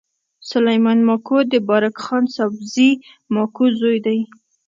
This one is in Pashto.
سلیمان ماکو د بارک خان سابزي ماکو زوی دﺉ.